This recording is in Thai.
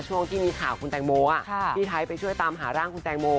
ช่วงที่มีข่าวคุณแตงโมพี่ไทยไปช่วยตามหาร่างคุณแตงโม